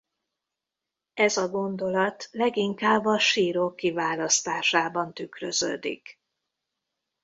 Ez a gondolat leginkább a sírok kiválasztásában tükröződik.